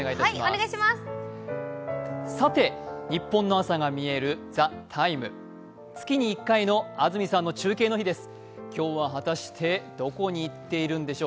さて、ニッポンの朝がみえる「ＴＨＥＴＩＭＥ，」月に１回の安住さんの中継の日です